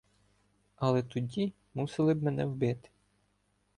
Але тоді мусили б мене вбити.